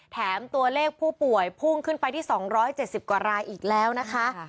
แถมตัวเลขผู้ป่วยพุ่งขึ้นไปที่๒๗๐กว่ารายอีกแล้วนะคะ